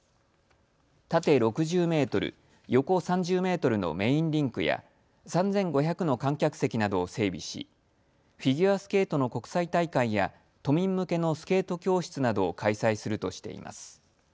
縦６０メートル、横３０メートルのメインリンクや３５００の観客席などを整備しフィギュアスケートの国際大会や都民向けのスケート教室などを開催するとしています。